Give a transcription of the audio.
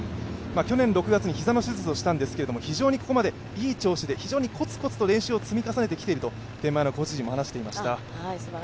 去年６月に膝の手術をしたんですけども、非常にここまでいい調子でコツコツと練習を積み重ねていると天満屋のコーチ陣も話していました。